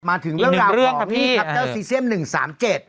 มาถึงเรื่องราวของเจ้าซีเซี่ยม๑๓๗